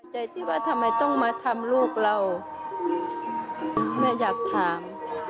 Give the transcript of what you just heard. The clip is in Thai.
ใจที่ว่าทำไมต้องมาทำลูกเราแม่อยากถาม